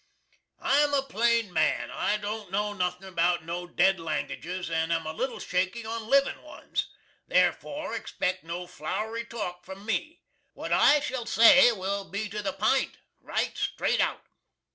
I'm a plane man. I don't know nothin about no ded languages and am a little shaky on livin ones. There4, expect no flowry talk from me. What I shall say will be to the pint, right strate out.